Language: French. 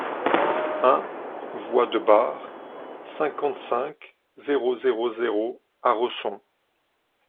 un voie de Bar, cinquante-cinq, zéro zéro zéro à Resson